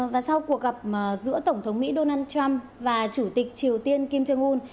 và sau cuộc gặp giữa tổng thống mỹ donald trump và chủ tịch triều tiên kim jong un